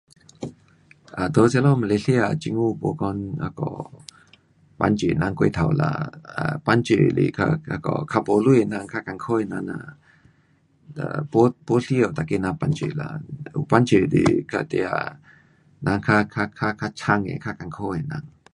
在这里马来西亚政府没讲帮助人过头啦。帮助是较没钱的人，较困苦的人呐 um 没需要每个人帮助啦。有帮助是 dia 较那人较较较惨的人。